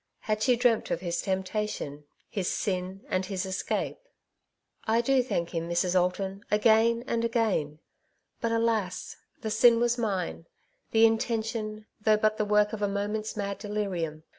Had she dreamt of his temptation^ his sin, and his escape ?^^ I do thank Him, Mrs. Alton, again and again ; but, alas ! the sin was mine — the intention — though but the work of a moment's mad delirium.